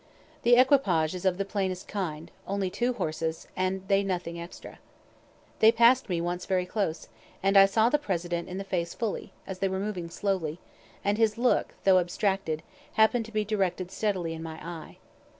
The equipage is of the plainest kind, only two horses, and they nothing extra. They pass'd me once very close, and I saw the President in the face fully, as they were moving slowly, and his look, though abstracted, happen'd to be directed steadily in my eye.